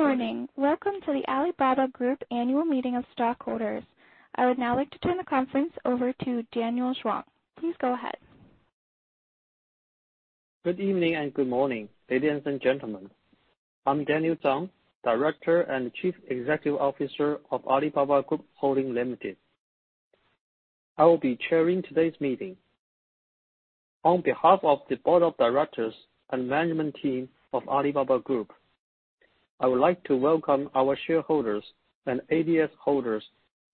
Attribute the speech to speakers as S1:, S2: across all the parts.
S1: Good morning. Welcome to the Alibaba Group annual meeting of stockholders. I would now like to turn the conference over to Daniel Zhang. Please go ahead.
S2: Good evening and good morning, ladies and gentlemen. I'm Daniel Zhang, Director and Chief Executive Officer of Alibaba Group Holding Limited. I will be chairing today's meeting. On behalf of the board of directors and management team of Alibaba Group, I would like to welcome our shareholders and ADSs holders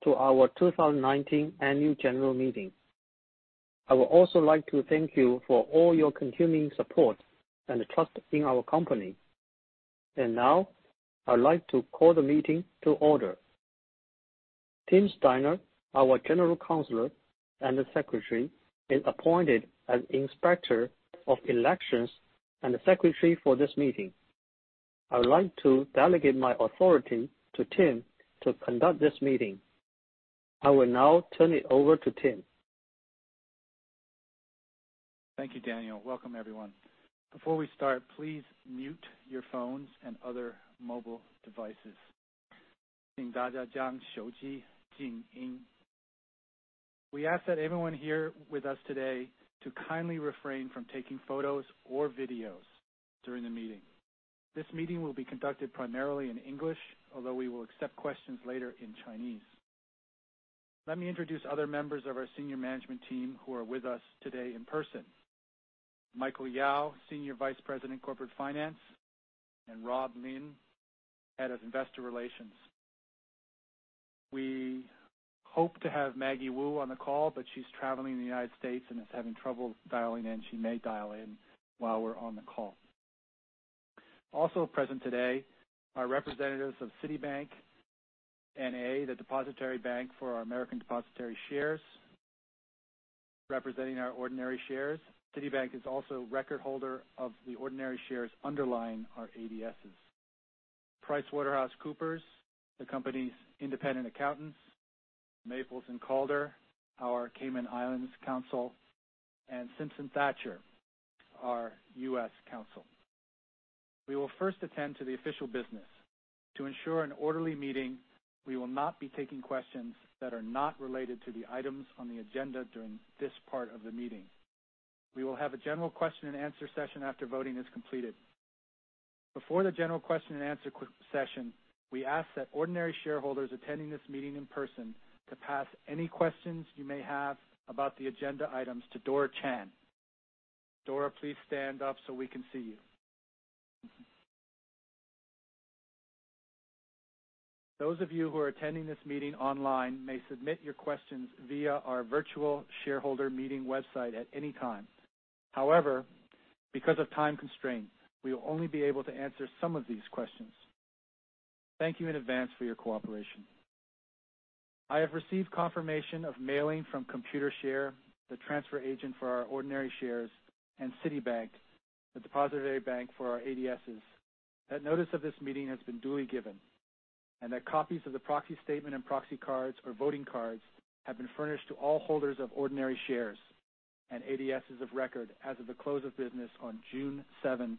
S2: to our 2019 Annual General Meeting. I would also like to thank you for all your continuing support and trust in our company. Now, I'd like to call the meeting to order. Tim Steinert, our General Counsel and Secretary, is appointed as Inspector of Elections and Secretary for this meeting. I would like to delegate my authority to Tim to conduct this meeting. I will now turn it over to Tim.
S3: Thank you, Daniel. Welcome, everyone. Before we start, please mute your phones and other mobile devices. We ask that everyone here with us today to kindly refrain from taking photos or videos during the meeting. This meeting will be conducted primarily in English, although we will accept questions later in Chinese. Let me introduce other members of our senior management team who are with us today in person. Michael Yao, Senior Vice President, Corporate Finance, and Rob Lin, Head of Investor Relations. We hope to have Maggie Wu on the call, but she's traveling in the U.S. and is having trouble dialing in. She may dial in while we're on the call. Also present today are representatives of Citibank N.A., the depository bank for our American Depositary Shares. Representing our ordinary shares, Citibank is also record holder of the ordinary shares underlying our ADSs. PricewaterhouseCoopers, the company's independent accountants, Maples and Calder, our Cayman Islands counsel, and Simpson Thacher, our U.S. counsel. We will first attend to the official business. To ensure an orderly meeting, we will not be taking questions that are not related to the items on the agenda during this part of the meeting. We will have a general question and answer session after voting is completed. Before the general question and answer session, we ask that ordinary shareholders attending this meeting in person to pass any questions you may have about the agenda items to Dora Chan. Dora, please stand up so we can see you. Those of you who are attending this meeting online may submit your questions via our virtual shareholder meeting website at any time. Because of time constraints, we will only be able to answer some of these questions. Thank you in advance for your cooperation. I have received confirmation of mailing from Computershare, the transfer agent for our ordinary shares, and Citibank, the depository bank for our ADSs, that notice of this meeting has been duly given, and that copies of the proxy statement and proxy cards or voting cards have been furnished to all holders of ordinary shares and ADSs of record as of the close of business on June 7th,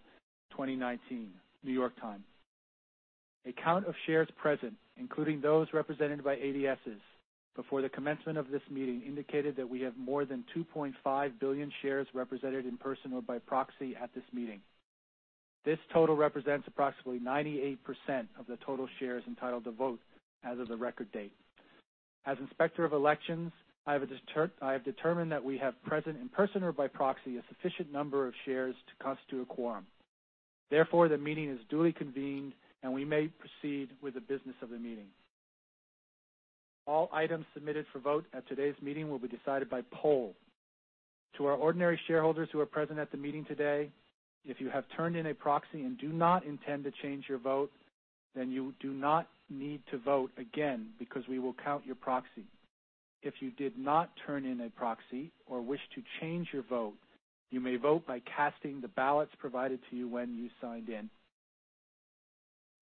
S3: 2019, New York time. A count of shares present, including those represented by ADSs before the commencement of this meeting, indicated that we have more than 2.5 billion shares represented in person or by proxy at this meeting. This total represents approximately 98% of the total shares entitled to vote as of the record date. As Inspector of Elections, I have determined that we have present in person or by proxy a sufficient number of shares to constitute a quorum. Therefore, the meeting is duly convened, and we may proceed with the business of the meeting. All items submitted for vote at today's meeting will be decided by poll. To our ordinary shareholders who are present at the meeting today, if you have turned in a proxy and do not intend to change your vote, you do not need to vote again because we will count your proxy. If you did not turn in a proxy or wish to change your vote, you may vote by casting the ballots provided to you when you signed in.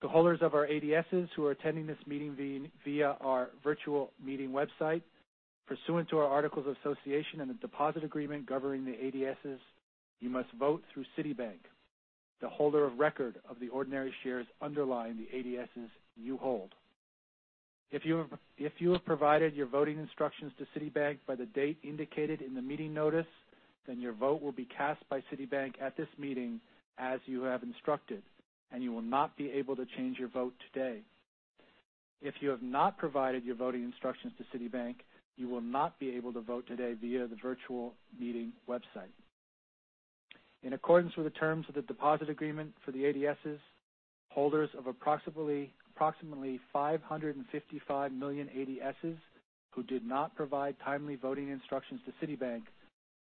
S3: The holders of our ADSs who are attending this meeting via our virtual meeting website, pursuant to our Articles of Association and the Deposit Agreement governing the ADSs, you must vote through Citibank, the holder of record of the ordinary shares underlying the ADSs you hold. If you have provided your voting instructions to Citibank by the date indicated in the meeting notice, your vote will be cast by Citibank at this meeting as you have instructed, and you will not be able to change your vote today. If you have not provided your voting instructions to Citibank, you will not be able to vote today via the virtual meeting website. In accordance with the terms of the Deposit Agreement for the ADSs, holders of approximately 555 million ADSs who did not provide timely voting instructions to Citibank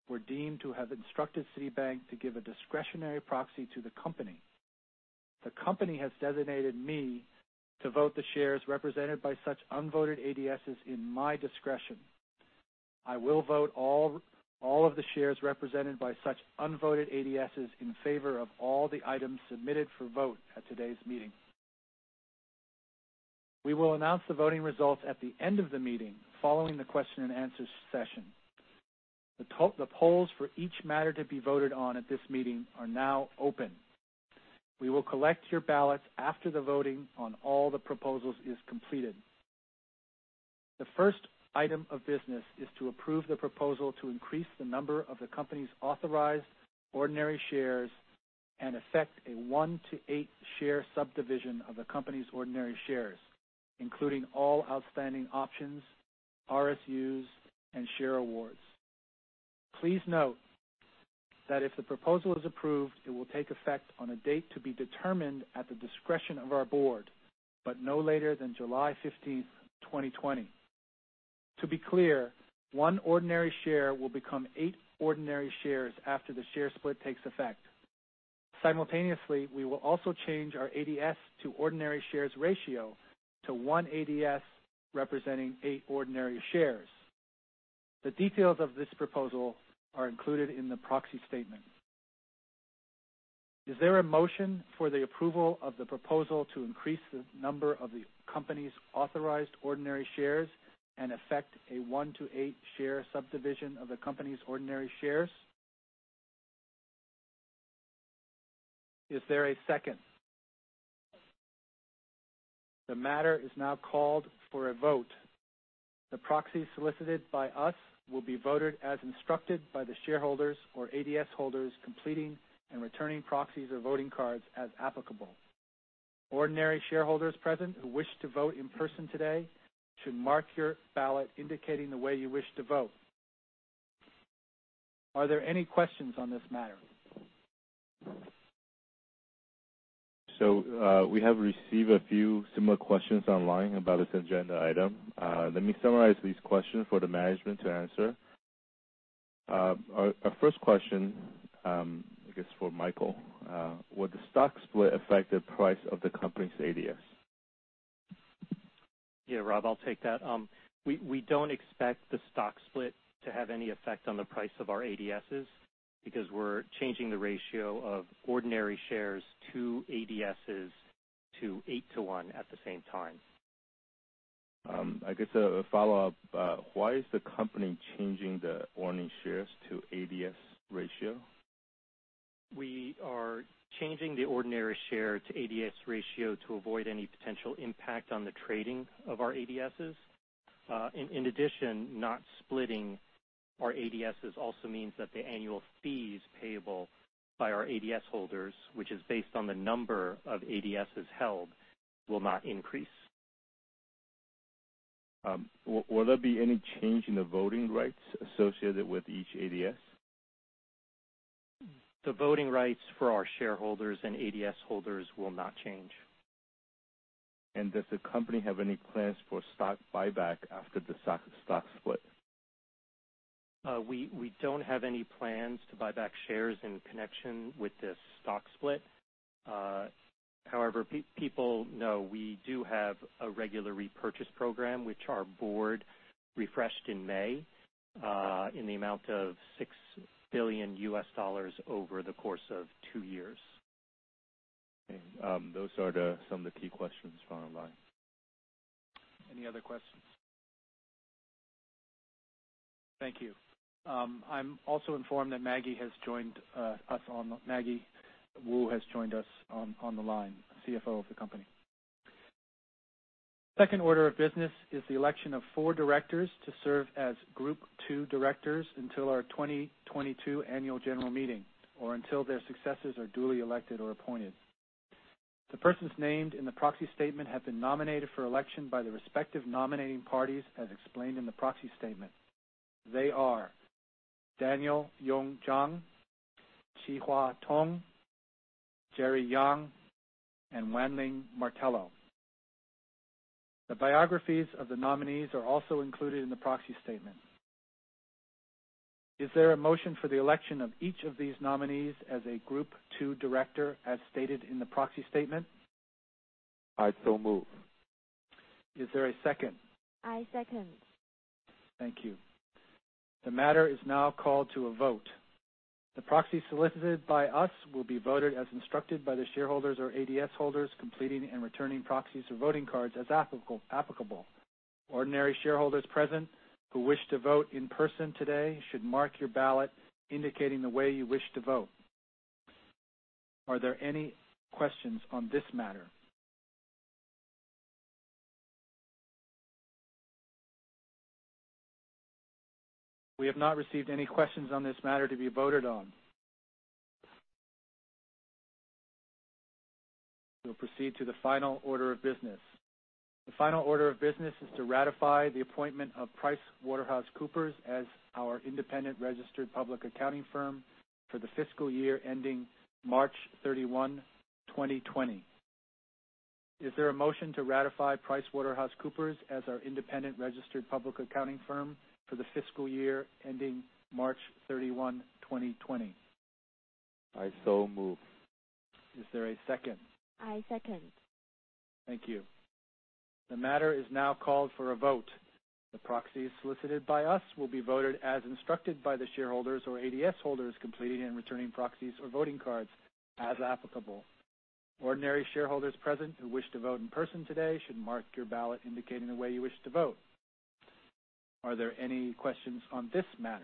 S3: were deemed to have instructed Citibank to give a discretionary proxy to the company. The company has designated me to vote the shares represented by such unvoted ADSs in my discretion. I will vote all of the shares represented by such unvoted ADSs in favor of all the items submitted for vote at today's meeting. We will announce the voting results at the end of the meeting following the question and answer session. The polls for each matter to be voted on at this meeting are now open. We will collect your ballots after the voting on all the proposals is completed. The first item of business is to approve the proposal to increase the number of the company's authorized ordinary shares and affect a one to eight share subdivision of the company's ordinary shares, including all outstanding options, RSUs, and share awards. Please note that if the proposal is approved, it will take effect on a date to be determined at the discretion of our board, but no later than July 15th, 2020. To be clear, one ordinary share will become eight ordinary shares after the share split takes effect. Simultaneously, we will also change our ADS to ordinary shares ratio to one ADS representing eight ordinary shares. The details of this proposal are included in the proxy statement. Is there a motion for the approval of the proposal to increase the number of the company's authorized ordinary shares and affect a one to eight share subdivision of the company's ordinary shares? Is there a second? The matter is now called for a vote. The proxies solicited by us will be voted as instructed by the shareholders or ADS holders completing and returning proxies or voting cards as applicable. Ordinary shareholders present who wish to vote in person today should mark your ballot indicating the way you wish to vote. Are there any questions on this matter?
S4: We have received a few similar questions online about this agenda item. Let me summarize these questions for the management to answer. Our first question, I guess for Michael. Would the stock split affect the price of the company's ADS?
S5: Yeah, Rob, I'll take that. We don't expect the stock split to have any effect on the price of our ADSs because we're changing the ratio of ordinary shares to ADSs to 8:1 at the same time.
S4: I guess a follow-up. Why is the company changing the ordinary shares to ADS ratio?
S5: We are changing the ordinary share to ADS ratio to avoid any potential impact on the trading of our ADSs. In addition, not splitting our ADSs also means that the annual fees payable by our ADS holders, which is based on the number of ADSs held, will not increase.
S4: Will there be any change in the voting rights associated with each ADS?
S5: The voting rights for our shareholders and ADS holders will not change.
S4: Does the company have any plans for stock buyback after the stock split?
S5: We don't have any plans to buy back shares in connection with this stock split. However, people know we do have a regular repurchase program which our board refreshed in May, in the amount of $6 billion over the course of two years.
S4: Okay. Those are some of the key questions from online.
S3: Any other questions? Thank you. I'm also informed that Maggie Wu has joined us on the line, CFO of the company. Second order of business is the election of four directors to serve as group two directors until our 2022 annual general meeting or until their successors are duly elected or appointed. The persons named in the proxy statement have been nominated for election by the respective nominating parties as explained in the proxy statement. They are Daniel Yong Zhang, Chee-Hwa Tung, Jerry Yang, and Wan Ling Martello. The biographies of the nominees are also included in the proxy statement. Is there a motion for the election of each of these nominees as a group two director, as stated in the proxy statement?
S4: I so move.
S3: Is there a second?
S6: I second.
S3: Thank you. The matter is now called to a vote. The proxies solicited by us will be voted as instructed by the shareholders or ADS holders completing and returning proxies or voting cards as applicable. Ordinary shareholders present who wish to vote in person today should mark your ballot indicating the way you wish to vote. Are there any questions on this matter? We have not received any questions on this matter to be voted on. We will proceed to the final order of business. The final order of business is to ratify the appointment of PricewaterhouseCoopers as our independent registered public accounting firm for the fiscal year ending March 31, 2020. Is there a motion to ratify PricewaterhouseCoopers as our independent registered public accounting firm for the fiscal year ending March 31, 2020?
S4: I so move.
S3: Is there a second?
S6: I second.
S3: Thank you. The matter is now called for a vote. The proxies solicited by us will be voted as instructed by the shareholders or ADS holders completing and returning proxies or voting cards as applicable. Ordinary shareholders present who wish to vote in person today should mark your ballot indicating the way you wish to vote. Are there any questions on this matter?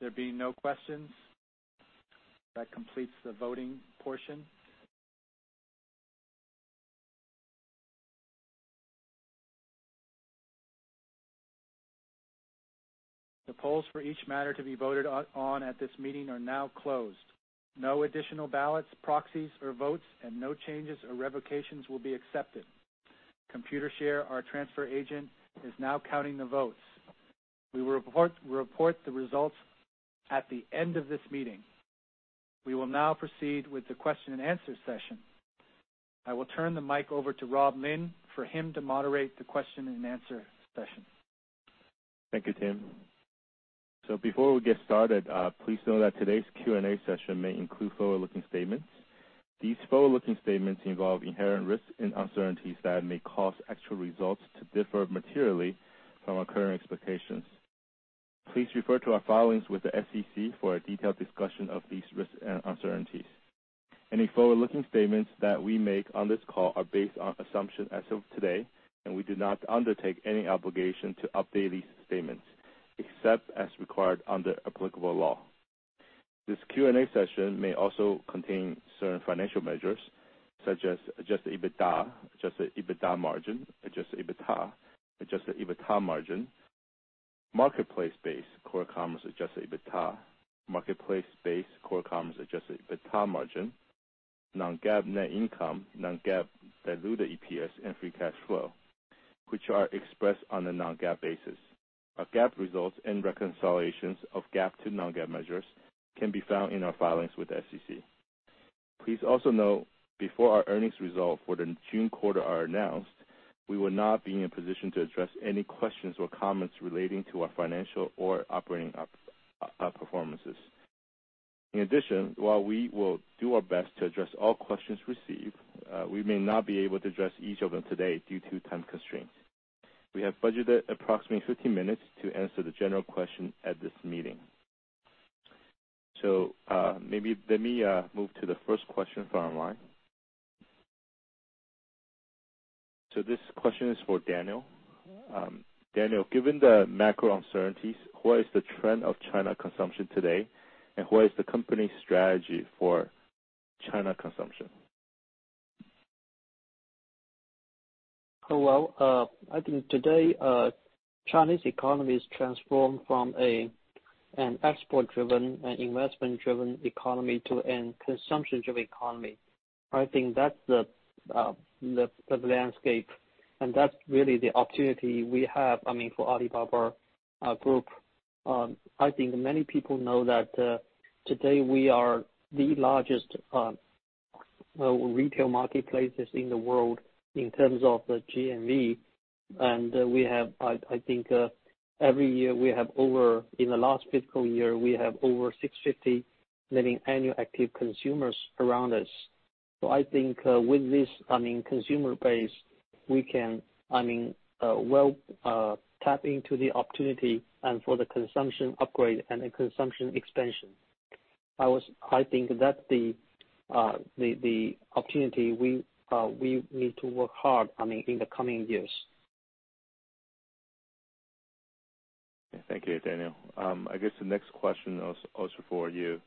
S3: There being no questions, that completes the voting portion. The polls for each matter to be voted on at this meeting are now closed. No additional ballots, proxies, or votes, and no changes or revocations will be accepted. Computershare, our transfer agent, is now counting the votes. We will report the results at the end of this meeting. We will now proceed with the question and answer session. I will turn the mic over to Rob Lin for him to moderate the question and answer session.
S4: Thank you, Tim. Before we get started, please know that today's Q&A session may include forward-looking statements. These forward-looking statements involve inherent risks and uncertainties that may cause actual results to differ materially from our current expectations. Please refer to our filings with the SEC for a detailed discussion of these risks and uncertainties. Any forward-looking statements that we make on this call are based on assumptions as of today, and we do not undertake any obligation to update these statements except as required under applicable law. This Q&A session may also contain certain financial measures such as adjusted EBITDA, adjusted EBITDA margin, adjusted EBITA, adjusted EBITA margin, marketplace-based core commerce adjusted EBITA, marketplace-based core commerce adjusted EBITA margin, non-GAAP net income, non-GAAP diluted EPS, and free cash flow, which are expressed on a non-GAAP basis. Our GAAP results and reconciliations of GAAP to non-GAAP measures can be found in our filings with the SEC. Please also note, before our earnings results for the June quarter are announced, we will not be in a position to address any questions or comments relating to our financial or operating performances. In addition, while we will do our best to address all questions received, we may not be able to address each of them today due to time constraints. We have budgeted approximately 15 minutes to answer the general questions at this meeting. Let me move to the first question from online. This question is for Daniel. Daniel, given the macro uncertainties, what is the trend of China consumption today, and what is the company's strategy for China consumption?
S2: Well, I think today, Chinese economy is transformed from an export-driven and investment-driven economy to a consumption-driven economy. I think that's the landscape, and that's really the opportunity we have for Alibaba Group. I think many people know that today we are the largest retail marketplaces in the world in terms of the GMV. I think every year, in the last fiscal year, we have over 650 million annual active consumers around us. I think with this consumer base, we can well tap into the opportunity and for the consumption upgrade and the consumption expansion. I think that's the opportunity we need to work hard in the coming years.
S4: Thank you, Daniel. I guess the next question is also for you.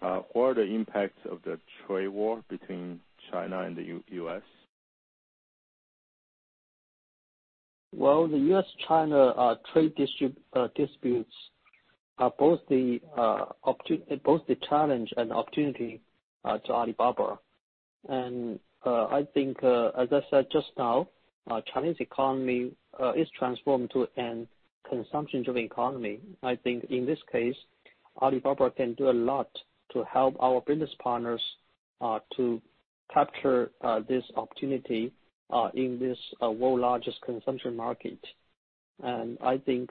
S4: What are the impacts of the trade war between China and the U.S.?
S2: Well, the U.S.-China trade disputes are both the challenge and opportunity to Alibaba. I think, as I said just now, Chinese economy is transformed to a consumption-driven economy. I think in this case, Alibaba can do a lot to help our business partners to capture this opportunity in this world's largest consumption market. I think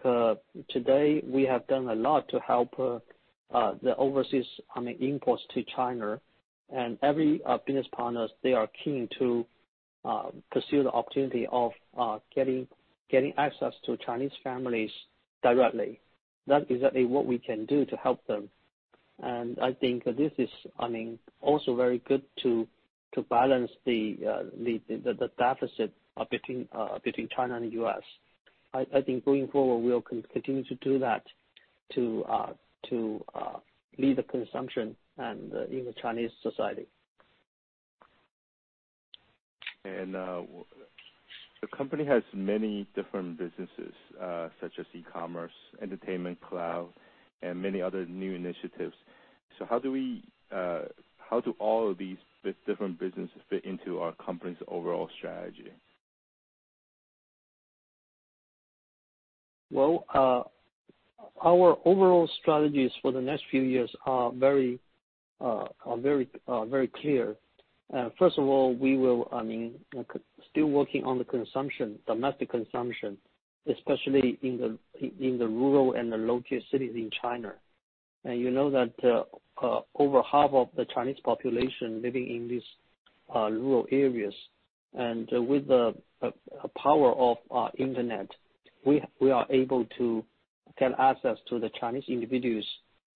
S2: today we have done a lot to help the overseas imports to China. Every business partner, they are keen to pursue the opportunity of getting access to Chinese families directly. That's exactly what we can do to help them. I think this is also very good to balance the deficit between China and the U.S. I think going forward, we will continue to do that to lead the consumption in the Chinese society.
S4: The company has many different businesses. Such as e-commerce, entertainment, cloud, and many other new initiatives. How do all of these different businesses fit into our company's overall strategy?
S2: Well, our overall strategies for the next few years are very clear. First of all, we will, I mean, still working on the consumption, domestic consumption, especially in the rural and the low-tier cities in China. You know that over half of the Chinese population living in these rural areas. With the power of our internet, we are able to get access to the Chinese individuals,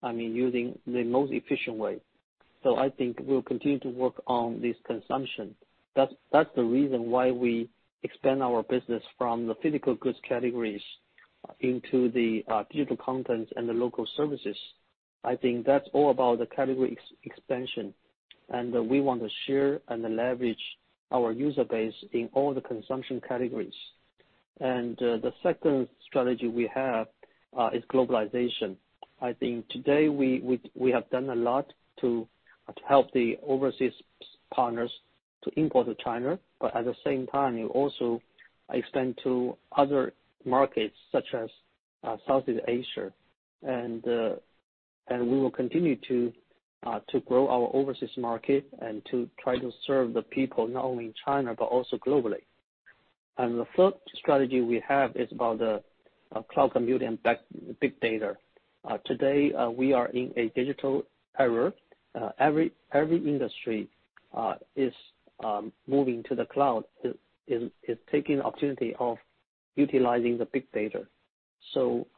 S2: I mean, using the most efficient way. I think we'll continue to work on this consumption. That's the reason why we expand our business from the physical goods categories into the digital content and the local services. I think that's all about the category expansion. We want to share and leverage our user base in all the consumption categories. The second strategy we have is globalization. I think today we have done a lot to help the overseas partners to import to China. At the same time, we also extend to other markets such as Southeast Asia. We will continue to grow our overseas market and to try to serve the people not only in China but also globally. The third strategy we have is about the cloud computing big data. Today, we are in a digital era. Every industry is moving to the cloud, is taking opportunity of utilizing the big data.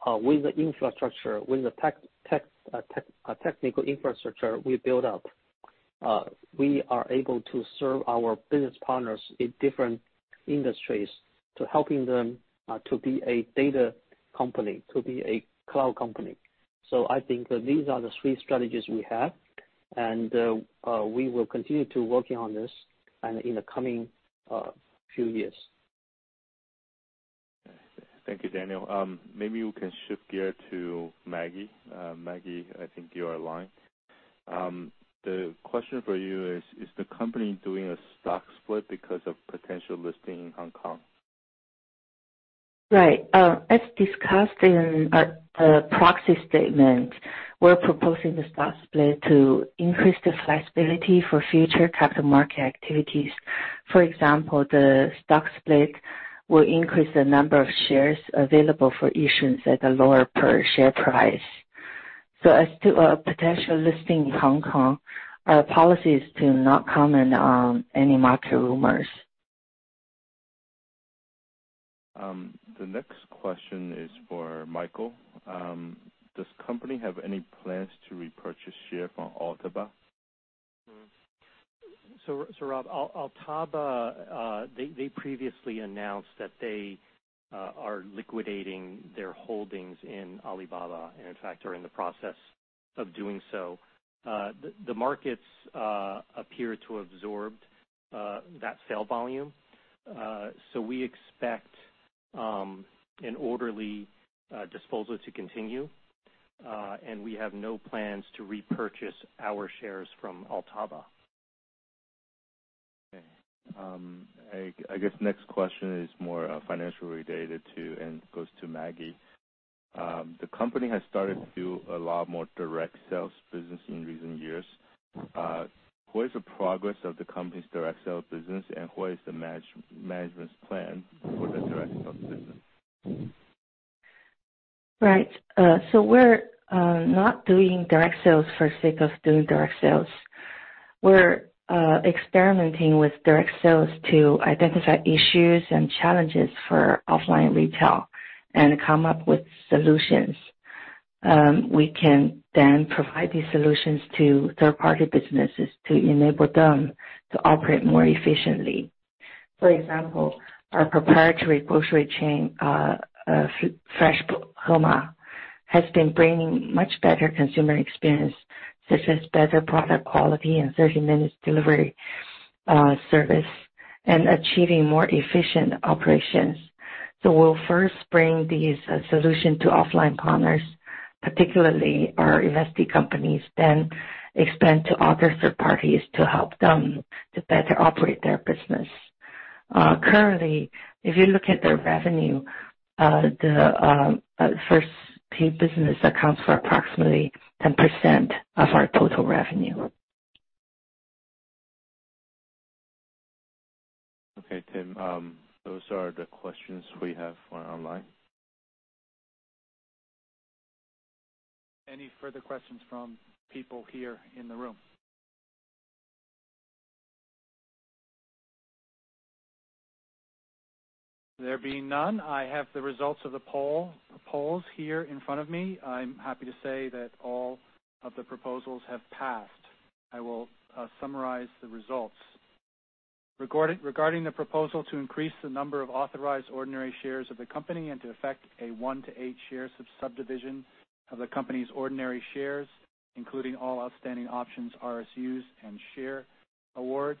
S2: With the infrastructure, with the technical infrastructure we build up, we are able to serve our business partners in different industries to helping them to be a data company, to be a cloud company. I think that these are the three strategies we have, and we will continue to working on this and in the coming few years.
S4: Thank you, Daniel. Maybe we can shift gear to Maggie. Maggie, I think you are online. The question for you is the company doing a stock split because of potential listing in Hong Kong?
S6: Right. As discussed in our proxy statement, we're proposing the stock split to increase the flexibility for future capital market activities. For example, the stock split will increase the number of shares available for issuance at a lower per share price. As to a potential listing in Hong Kong, our policy is to not comment on any market rumors.
S4: The next question is for Michael. Does company have any plans to repurchase share from Altaba?
S5: Rob, Altaba, they previously announced that they are liquidating their holdings in Alibaba, and in fact are in the process of doing so. The markets appear to absorbed that sale volume. We expect an orderly disposal to continue. We have no plans to repurchase our shares from Altaba.
S4: Okay. I guess next question is more financially related to, and goes to Maggie. The company has started to do a lot more direct sales business in recent years. What is the progress of the company's direct sales business, and what is the management's plan for the direct sales business?
S6: Right. We're not doing direct sales for sake of doing direct sales. We're experimenting with direct sales to identify issues and challenges for offline retail and come up with solutions. We can then provide these solutions to third-party businesses to enable them to operate more efficiently. For example, our proprietary grocery chain, Freshippo, has been bringing much better consumer experience, such as better product quality and 30 minutes delivery service and achieving more efficient operations. We'll first bring these solution to offline partners, particularly our investee companies, then expand to other third parties to help them to better operate their business. Currently, if you look at their revenue, the first-party business accounts for approximately 10% of our total revenue.
S4: Okay, Tim, those are the questions we have for online.
S3: Any further questions from people here in the room? There being none, I have the results of the polls here in front of me. I'm happy to say that all of the proposals have passed. I will summarize the results. Regarding the proposal to increase the number of authorized ordinary shares of the company and to effect a one to eight share subdivision of the company's ordinary shares, including all outstanding options, RSUs, and share awards.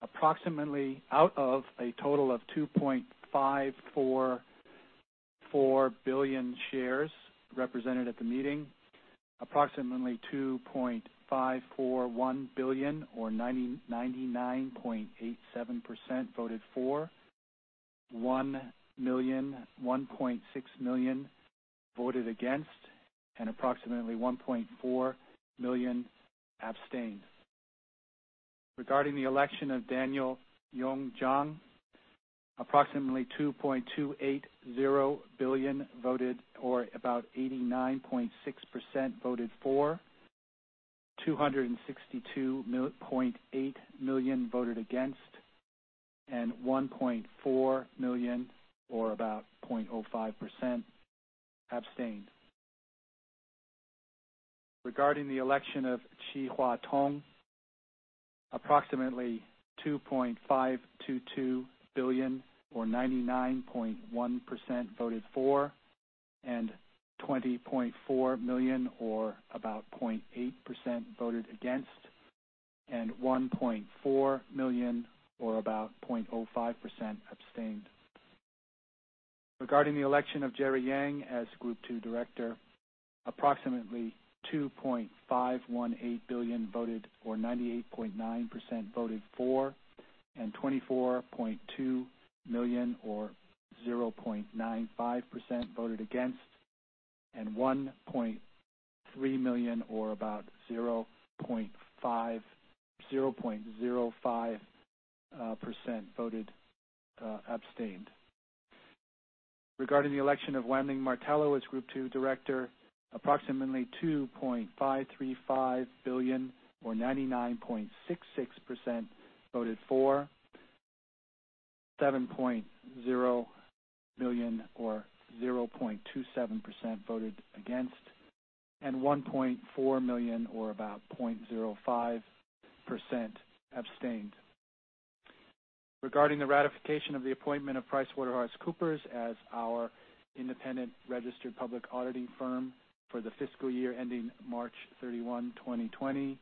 S3: Approximately out of a total of 2.544 billion shares represented at the meeting, approximately 2.541 billion or 99.87% voted for. 1.6 million voted against, and approximately 1.4 million abstained. Regarding the election of Daniel Yong Zhang, approximately 2.280 billion voted, or about 89.6% voted for, 262.8 million voted against, and 1.4 million, or about 0.05%, abstained. Regarding the election of Chee-Hwa Tung, approximately 2.522 billion, or 99.1%, voted for, and 20.4 million, or about 0.8%, voted against, and 1.4 million, or about 0.05%, abstained. Regarding the election of Jerry Yang as Group Two Director, approximately 2.518 billion voted, or 98.9% voted for, and 24.2 million, or 0.95%, voted against, and 1.3 million, or about 0.05%, abstained. Regarding the election of Wan Ling Martello as Group Two Director, approximately 2.535 billion, or 99.66%, voted for, 7.0 million, or 0.27%, voted against, and 1.4 million, or about 0.05%, abstained. Regarding the ratification of the appointment of PricewaterhouseCoopers as our independent registered public auditing firm for the fiscal year ending March 31, 2020,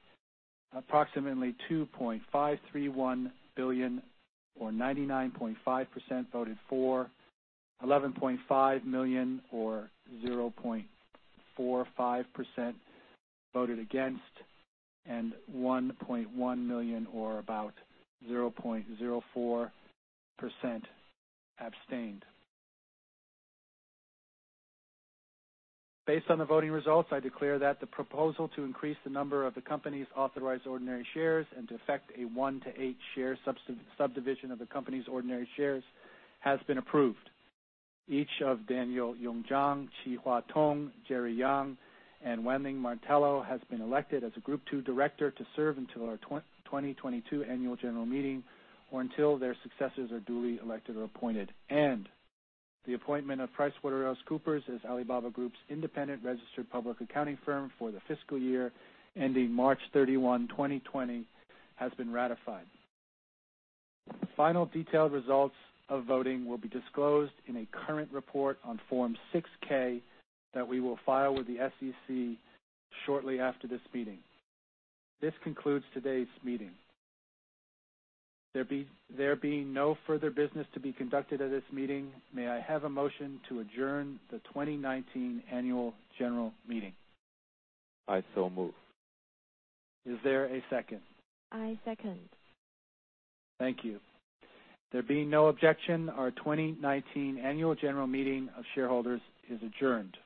S3: approximately 2.531 billion, or 99.5%, voted for, 11.5 million, or 0.45%, voted against, and 1.1 million, or about 0.04%, abstained. Based on the voting results, I declare that the proposal to increase the number of the company's authorized ordinary shares and to effect a one to eight share subdivision of the company's ordinary shares has been approved. Each of Daniel Yong Zhang, Chee-Hwa Tung, Jerry Yang, and Wan Ling Martello has been elected as a Group Two Director to serve until our 2022 annual general meeting, or until their successors are duly elected or appointed. The appointment of PricewaterhouseCoopers as Alibaba Group's independent registered public accounting firm for the fiscal year ending March 31, 2020, has been ratified. Final detailed results of voting will be disclosed in a current report on Form 6-K that we will file with the SEC shortly after this meeting. This concludes today's meeting. There being no further business to be conducted at this meeting, may I have a motion to adjourn the 2019 annual general meeting?
S4: I so move.
S3: Is there a second?
S6: I second.
S3: Thank you. There being no objection, our 2019 annual general meeting of shareholders is adjourned.